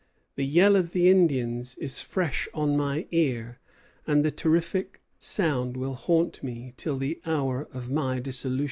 The yell of the Indians is fresh on my ear, and the terrific sound will haunt me till the hour of my dissolution."